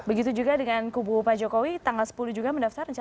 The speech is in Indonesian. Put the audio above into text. begitu juga dengan kubu pak jokowi tanggal sepuluh juga mendaftar